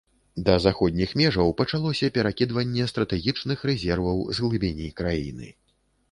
Да заходніх межаў пачалося перакідванне стратэгічных рэзерваў з глыбіні краіны.